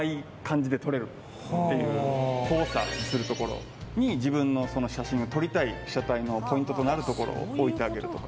交差する所に自分の写真を撮りたい被写体のポイントとなる所を置いてあげるとか。